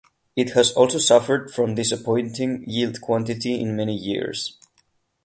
It has also suffered from disappointing yield quantity in many years.